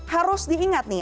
harus diingat nih